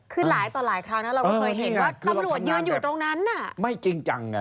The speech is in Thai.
คือหลายต่อหลายครั้งนะเราก็เคยเห็นว่าตำรวจยืนอยู่ตรงนั้นน่ะไม่จริงจังไง